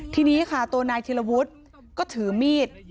ทีนี้ค่ะตัวนายธิรวุฒิก็ถือมีด